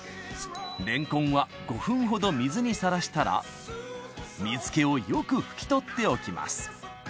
レンコンは５分ほど水にさらしたら水気をよく拭き取っておきます